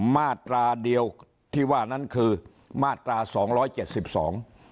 มาตราเดียวที่ว่านั้นคือมาตราสองร้อยเจ็ดสิบสอง